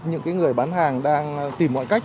những cái người bán hàng đang tìm mọi cách